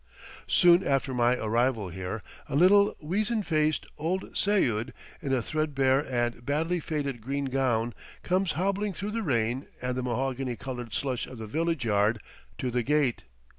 Soon after my arrival here, a little, weazen faced, old seyud, in a threadbare and badly faded green gown, comes hobbling through the rain and the mahogany colored slush of the village yard to the gate.